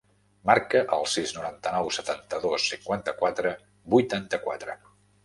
Marca el sis, noranta-nou, setanta-dos, cinquanta-quatre, vuitanta-quatre.